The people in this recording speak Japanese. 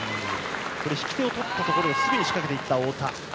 引き手を取ったところですぐに仕掛けていった太田。